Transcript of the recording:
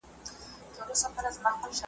یو پر بل به یې حملې سره کولې ,